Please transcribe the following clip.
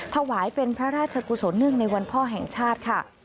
ถวายเป็นพระราชกุศลเนื่องในวันพ่อแห่งชาติค่ะ